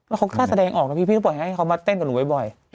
แล้วเขาต้าแสดงออกนะพี่พี่บอกให้เขามาเต้นกันหนูบ่อย